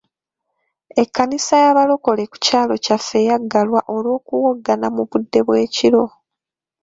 Ekkanisa y'abalokole ku kyalo kyaffe yaggalwa olw'okuwoggana mu budde bw'ekiro.